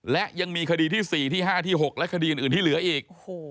และยังมีคดีที่๔ที่๕ที่๖และคดีอื่นที่เหลืออีก